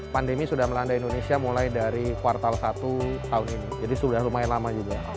pandemi sudah melanda indonesia mulai dari kuartal satu tahun ini jadi sudah lumayan lama juga